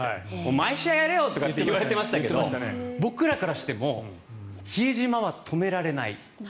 毎試合やれよとか言われてましたけど僕らからしても比江島は止められない。